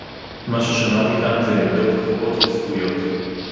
מה ששמעתי כאן זה עמדות קבועות וצפויות